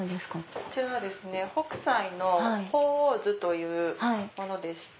こちらは北斎の『鳳凰図』というものでして。